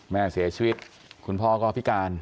แม่เสียชีวิตคุณพ่อก็พิการ